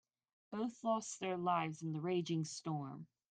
Both lost their lives in the raging storm.